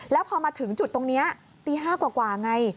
แล้วพอมาถึงจุดตรงนี้ตี๕กว่าไง